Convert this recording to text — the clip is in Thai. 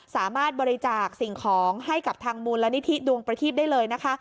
สามารถบริจาคสิ่งของให้กับทางมูลนิธิดวงประทีพได้เลยนะคะ